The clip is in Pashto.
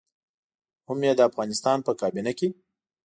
هم يې د افغانستان په کابينه کې.